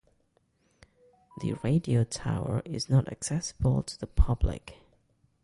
The radio tower is not accessible to the public.